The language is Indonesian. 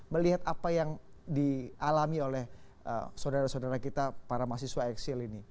melihat apa yang dialami oleh saudara saudara kita para mahasiswa eksil ini